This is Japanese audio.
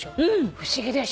不思議でしょ。